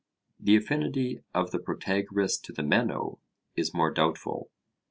The affinity of the Protagoras to the Meno is more doubtful.